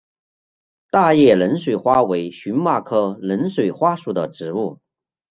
大叶冷水花为荨麻科冷水花属的植物。